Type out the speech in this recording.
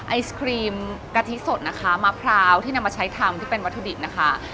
ไอศครีมกะทิสดนะคะมะพร้าวที่นำมาใช้ทำที่เป็นวัตถุดิบนะคะ